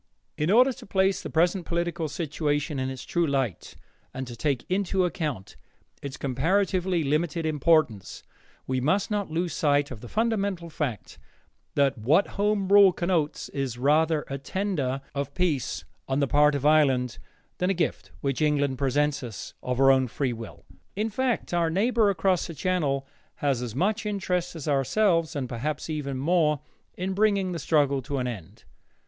In order to place the present political situation in its true light and to take into account its comparatively limited importance, we must not lose sight of the fundamental fact that what Home Rule connotes is rather a tender of peace on the part of Ireland than a gift which England presents us of her own free will. In fact, our neighbor across the Channel has as much interest as ourselves, and perhaps even more, in bringing the struggle to an end.